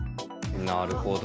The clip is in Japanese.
なるほど。